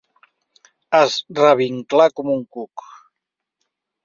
Es revinclà com un cuc.